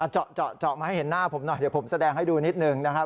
เจาะเจาะมาให้เห็นหน้าผมหน่อยเดี๋ยวผมแสดงให้ดูนิดหนึ่งนะครับ